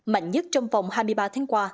mạnh nhất trong vòng hai mươi ba tháng qua